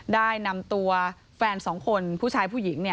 ได้นำตัวแฟนสองคนผู้ชายผู้หญิง